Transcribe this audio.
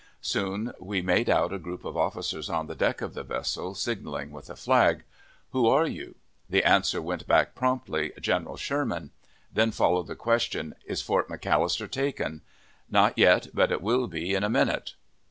Soon we made out a group of officers on the deck of this vessel, signaling with a flag, "Who are you!" The answer went back promptly, "General Sherman." Then followed the question, "Is Fort McAllister taken?" "Not yet, but it will be in a minute!"